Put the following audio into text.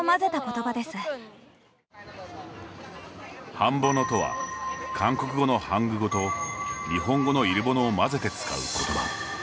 ハンボノとは韓国語のハングゴと日本語のイルボノを混ぜて使う言葉。